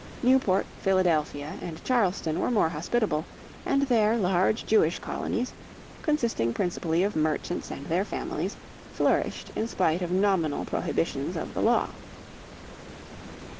Newport, Philadelphia, and Charleston were more hospitable, and there large Jewish colonies, consisting principally of merchants and their families, flourished in spite of nominal prohibitions of the law.